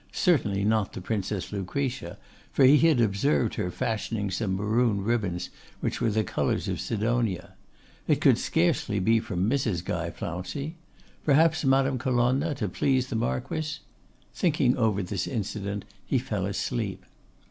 Certainly not the Princess Lucretia, for he had observed her fashioning some maroon ribbons, which were the colours of Sidonia. It could scarcely be from Mrs. Guy Flouncey. Perhaps Madame Colonna to please the Marquess? Thinking over this incident he fell asleep.